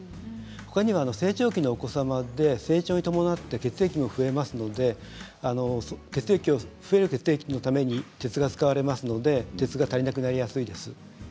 ほかには成長期のお子様で成長に伴って血液も増えますので増える血液のために鉄が使われるので鉄が失われます。